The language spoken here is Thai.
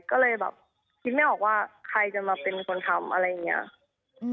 ก็เลยแบบคิดไม่ออกว่าใครจะมาเป็นคนทำอะไรอย่างนี้